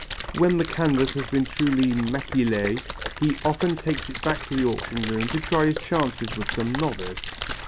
When the canvas has been duly maquillé he often takes it back to the auction room to try his chances with some novice.